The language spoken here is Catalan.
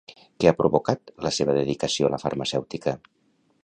Què ha provocat la seva dedicació a la farmacèutica?